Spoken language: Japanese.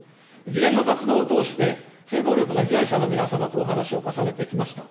議連の活動を通して、被害者の皆様とお話を重ねてきました。